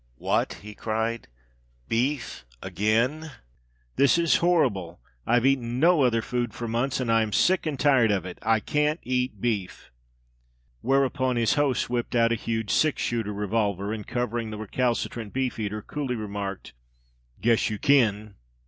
"What?" he cried. "Beef again? This is horrible! I've seen no other food for months, and I'm sick and tired of it. I can't eat beef." Whereupon his host whipped out a huge "six shooter" revolver, and covering the recalcitrant beef eater, coolly remarked: "Guess you kin!"